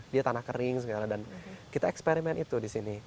dia tanah kering segala dan kita eksperimen itu di sini